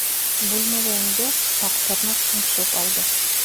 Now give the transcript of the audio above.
Бүлмәгә ингәс, Аҡтырнаҡ шыңшып алды.